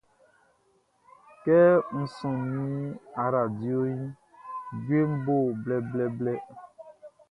Kɛ n sɔ min aradioʼn, djueʼn bo blɛblɛblɛ.